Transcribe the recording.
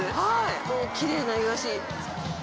はいきれいないわし。